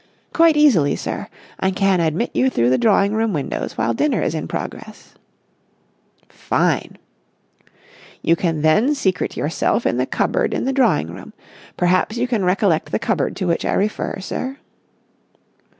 "Quite easily, sir. I can admit you through the drawing room windows while dinner is in progress." "Fine!" "You can then secrete yourself in the cupboard in the drawing room. Perhaps you recollect the cupboard to which I refer, sir?"